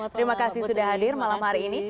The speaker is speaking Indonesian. terima kasih sudah hadir malam hari ini